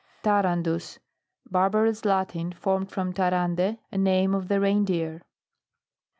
TARANDUS. Barbarous Latin, formed from Tarande, a name of the rein deer.